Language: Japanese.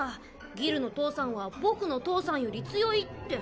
ギルの父さんは僕の父さんより強いって。